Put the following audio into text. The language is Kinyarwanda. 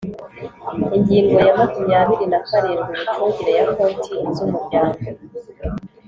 Ingingo ya makumyabiri na karindwi: Imicungire ya Konti z’Umuryango.